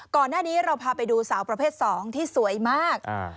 ก่อนหน้านี้เราพาไปดูสาวประเภท๒ที่สวยมาก